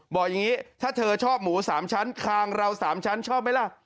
บอกอย่างนี้ถ้าเธอชอบหมู๓ชั้นคางเรา๓ชั้นชอบไหมล่ะ